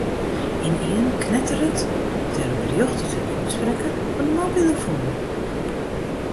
Ynienen knetteret der in berjocht út de lûdsprekker fan de mobilofoan.